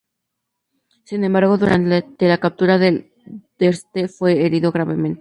Sin embargo, durante la captura de Dresde este fue herido gravemente.